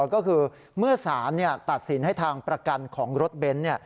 ก็คือเมื่อสารตัดสินให้ทางประกันของรถเบนท์